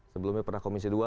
sebelumnya pernah komisi dua